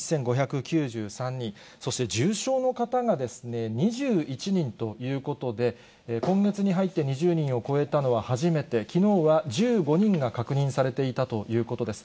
そして、重症の方が２１人ということで、今月に入って２０人を超えたのは初めて、きのうは１５人が確認されていたということです。